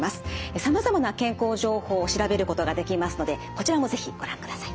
さまざまな健康情報を調べることができますのでこちらも是非ご覧ください。